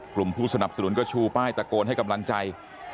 กลุ่มผู้สนับสนุนก็ชูป้ายตะโกนให้กำลังใจ